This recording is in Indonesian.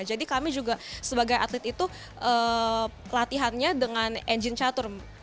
jadi kami juga sebagai atlet itu latihannya dengan engine catur